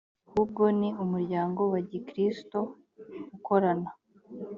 ahubwo ni umuryango wa gikristo ukorana